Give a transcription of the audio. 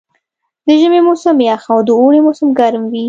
د ژمي موسم یخ او د اوړي موسم ګرم وي.